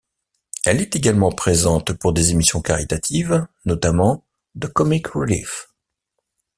Elle est également présente pour des émissions caritatives, notamment de Comic Relief.